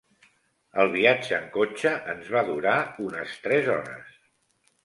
El viatge en cotxe ens va durar unes tres hores.